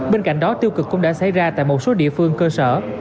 bên cạnh đó tiêu cực cũng đã xảy ra tại một số địa phương cơ sở